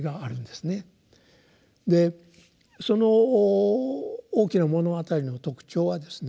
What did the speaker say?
その「大きな物語」の特徴はですね